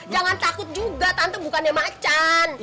jangan takut juga tante bukannya macan